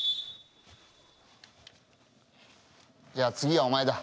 じゃあ次はお前だ。